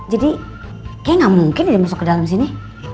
jadi kayaknya gak mungkin dia masuk ke dalam sini